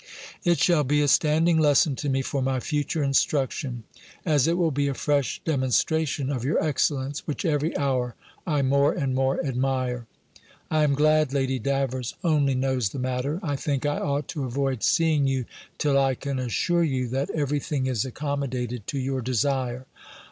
It shall be a standing lesson to me for my future instruction; as it will be a fresh demonstration of your excellence, which every hour I more and more admire. I am glad Lady Davers only knows the matter. I think I ought to avoid seeing you, till I can assure you, that every thing is accommodated to your desire.